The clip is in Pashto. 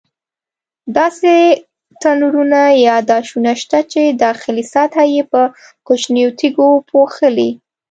داسې تنورونه یا داشونه شته چې داخلي سطحه یې په کوچنیو تیږو پوښلې.